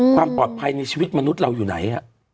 ความปลอดภัยในชีวิตมนุษย์เราอยู่ไหน